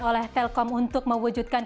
oleh telkom untuk mewujudkan